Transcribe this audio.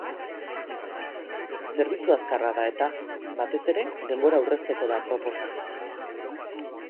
Zerbitzu azkarra da eta, batez ere, denbora aurrezteko da aproposa.